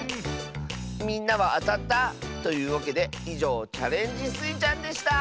みんなはあたった？というわけでいじょう「チャレンジスイちゃん」でした！